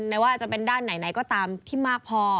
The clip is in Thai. ไม่ว่าจะเป็นด้านไหนก็ตามที่มากพอ